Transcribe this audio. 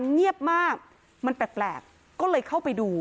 เงียบมากมันแปลกก็เลยเข้าไปดู